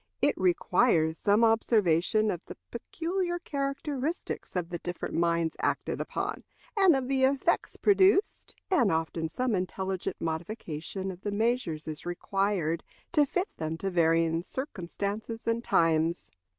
It requires some observation of the peculiar characteristics of the different minds acted upon, and of the effects produced, and often some intelligent modification of the measures is required, to fit them to varying circumstances and times.